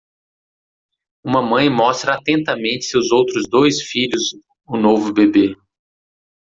Uma mãe mostra atentamente seus outros dois filhos o novo bebê